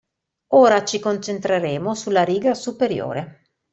Ora ci concentreremo sulla riga superiore.